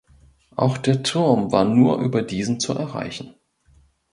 Auch der Turm war nur über diesen zu erreichen.